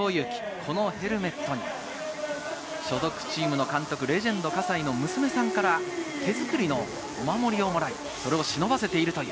このヘルメットに所属チームの監督、レジェンド葛西の娘さんから手作りのお守りをもらって、それを忍ばせています。